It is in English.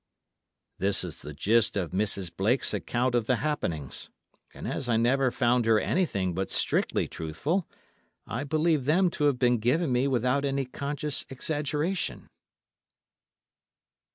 This is the gist of Mrs. Blake's account of the happenings, and as I never found her anything but strictly truthful, I believe them to have been given me without any conscious exaggeration.